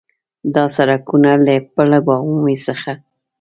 دا سړکونه له پُل باغ عمومي څخه